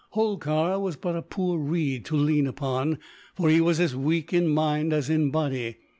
Holkar was but a poor reed to lean upon, for he was as weak in mind, as in body.